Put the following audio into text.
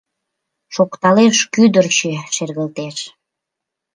Шокталеш Кӱдырчӧ шергылтеш!